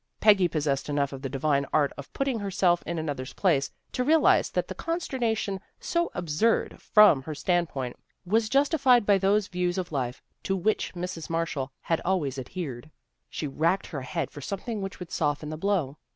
Peggy possessed enough of the divine art of putting herself in another's place to realize that the conster nation, so absurd from her standpoint, was justified by those views of life to which Mrs. Marshall had always adhered. She racked her head for something which would soften the blow.